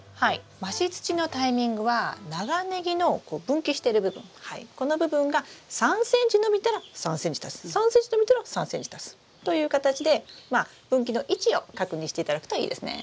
増し土のタイミングは長ネギの分岐してる部分この部分が３ｃｍ伸びたら３ｃｍ足す３ｃｍ伸びたら３ｃｍ足すという形で分岐の位置を確認していただくといいですね。